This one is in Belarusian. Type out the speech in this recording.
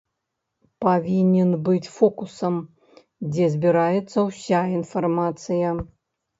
Павінен быць фокусам, дзе збіраецца ўся інфармацыя.